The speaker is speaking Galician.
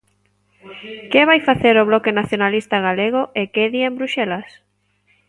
¿Que vai facer o Bloque Nacionalista Galego e que di en Bruxelas?